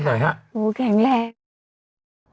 ไปฟังกันหน่อยครับ